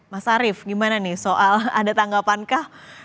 mas arief gimana nih soal ada tanggapankah